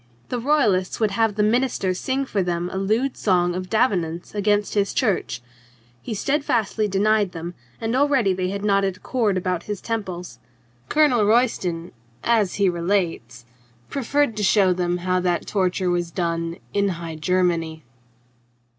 The Royalists would have the minister sing for them a lewd song of Davenant's against his church. He steadfastly denied them, and already they had a knotted cord about his temples. Colonel Royston, as he relates, proffered to show them how that torture was done in High Germany.